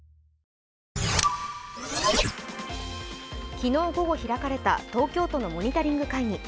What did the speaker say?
昨日午後開かれた東京都のモニタリング会議。